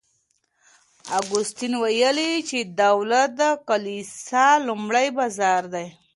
اګوستین ویلي چي دولت د کلیسا لومړی بازو دی.